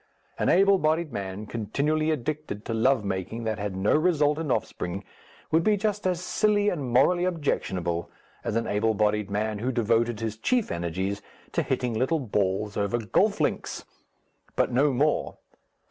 An able bodied man continually addicted to love making that had no result in offspring would be just as silly and morally objectionable as an able bodied man who devoted his chief energies to hitting little balls over golf links. But no more.